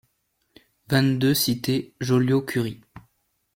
vingt-deux cité Joliot-Curie